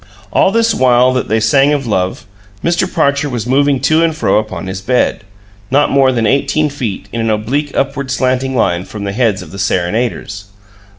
All this while that they sang of love, Mr. Parcher was moving to and fro upon his bed, not more than eighteen feet in an oblique upward slanting line from the heads of the serenaders.